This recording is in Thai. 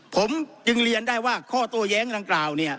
ผมจึงเรียนได้ว่าข้อโต้แย้งดังกล่าวเนี่ย